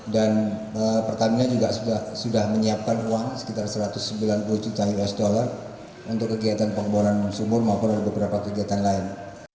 dan pertamina juga sudah menyiapkan uang sekitar satu ratus sembilan puluh juta usd untuk kegiatan pengeboran sumur maupun beberapa kegiatan lain